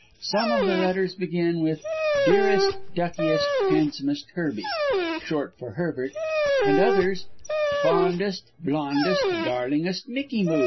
Some of the letters begin with 'Dearest, duckiest, handsomest Herby' short for Herbert; and others, 'Fondest, blondest, darlingest Micky moo!'